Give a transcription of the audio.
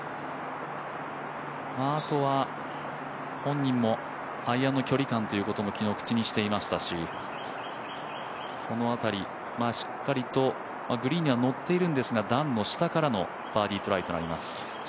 あとは本人もアイアンの距離感ということも口にしていましたし、その辺り、しっかりとグリーンには乗っているんですが段の下からのバーディートライとなります。